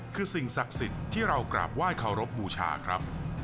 คือสิ่งศักดิ์สิทธิ์ที่เรากราบไห้เคารพบูชาครับ